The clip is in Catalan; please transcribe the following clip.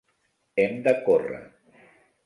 Hem de córrer.